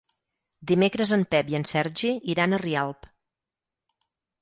Dimecres en Pep i en Sergi iran a Rialp.